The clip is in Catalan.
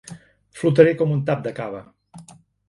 Flotaré com un tap de cava.